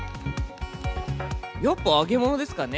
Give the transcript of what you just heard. やっぱ揚げ物ですかね。